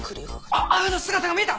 あっアユの姿が見えた！